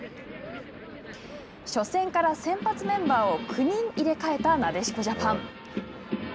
初戦から先発メンバーを９人、入れ代えたなでしこジャパン。